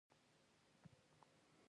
پينځلس دقيقې وتلې نه وې.